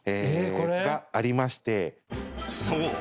［そう。